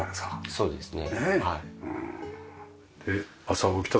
そうですね。